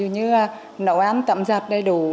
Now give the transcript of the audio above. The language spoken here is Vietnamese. như là nấu ăn tạm giặt đầy đủ